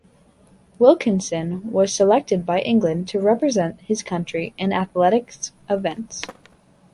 Wilkinson was selected by England to represent his country in athletics events.